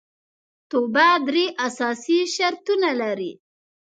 توبه درې اساسي شرطونه لري